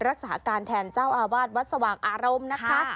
รักษาการแทนเจ้าอาวาสวัดสว่างอารมณ์นะคะ